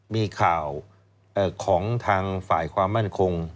มีข่าวของทางฝ่ายความมั่นคง